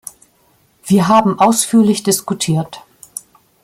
Wir haben ausführlich diskutiert.